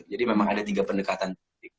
jadi memang ada tiga pendekatan